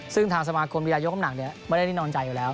ซึ่งทางสมาคมฤยกำหนักเนี่ยไม่ได้นินอนใจอยู่แล้ว